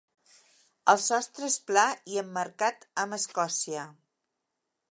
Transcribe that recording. El sostre és pla i emmarcat amb escòcia.